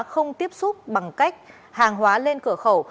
không tiếp xúc bằng cách hàng hóa lên cửa khẩu